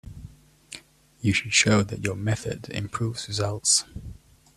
You should show that your method improves results.